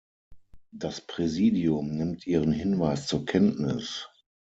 Das Präsidium nimmt Ihren Hinweis zur Kenntnis.